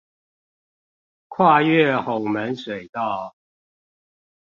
跨越吼門水道